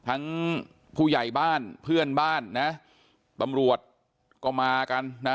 ผู้ใหญ่บ้านเพื่อนบ้านนะตำรวจก็มากันนะ